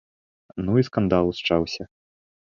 Ну і скандал усчаўся.